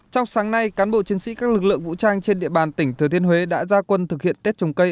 trong sáng nay cán bộ chiến sĩ các lực lượng vũ trang trên địa bàn tỉnh thừa thiên huế đã ra quân thực hiện tết trồng cây